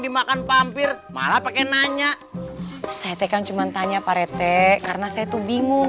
dimakan pampir malah pakai nanya saya tekan cuman tanya pak retek karena saya tuh bingung